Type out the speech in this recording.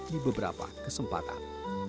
di beberapa kesempatan